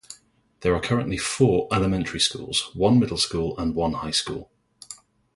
There are currently four elementary schools, one middle school, and one high school.